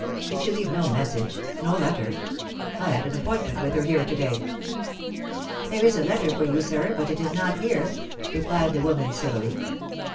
Did she leave no mes sage — no letter? I had an appointment with her here to day.' ' There is a letter for you, sir, but it is not here,' replied the woman, civilly. Mrs.